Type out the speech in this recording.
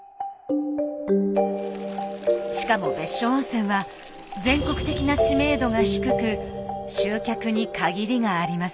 しかも別所温泉は全国的な知名度が低く集客に限りがあります。